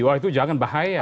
wah itu jangan bahaya